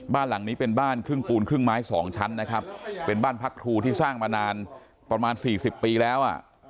บ้านหลังนี้เป็นบ้านครึ่งปูนครึ่งไม้สองชั้นนะครับเป็นบ้านพักครูที่สร้างมานานประมาณสี่สิบปีแล้วอ่ะ